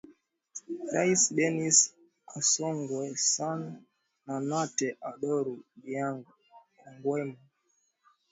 rais dennis asungwe sun na nate odoro biang ogwema